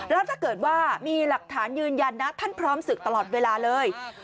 แล้วถ้าเกิดว่ามีหลักฐานยืนยันนะท่านพร้อมศึกตลอดเวลาเลย